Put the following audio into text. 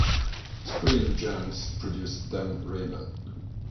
Screen Gems produced "Dan Raven".